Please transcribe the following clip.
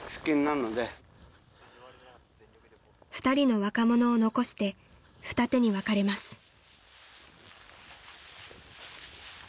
［２人の若者を残して二手に分かれます］